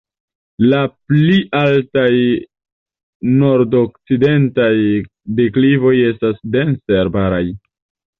La pli altaj nordokcidentaj deklivoj estas dense arbaraj.